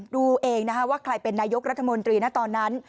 ดูเองนะคะว่าใครเป็นนายกรัฐมนตรีนะตอนนั้น